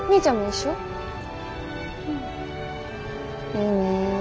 いいねえ。